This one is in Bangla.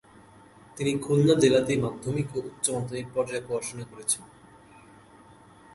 তিনি খুলনা জেলাতেই মাধ্যমিক ও উচ্চমাধ্যমিক পর্যায়ে পড়াশোনা করেছেন।